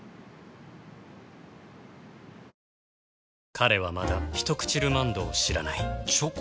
彼はまだ「ひとくちルマンド」を知らないチョコ？